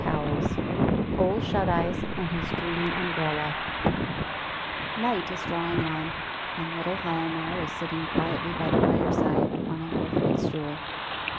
31 ] OLE SHUT EYES AND HIS DREAM UMBRELLA N ight is drawing on, and little Hial mar is sitting quietly by the fireside, on a little footstool.